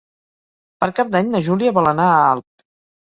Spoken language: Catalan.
Per Cap d'Any na Júlia vol anar a Alp.